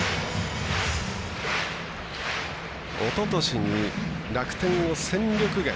おととしに楽天を戦力外。